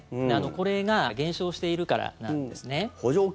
これが減少しているからなんですね。